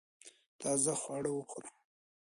تازه خواړه وخوره